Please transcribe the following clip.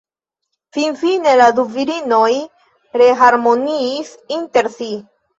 Finfine la du virinoj reharmoniis inter si.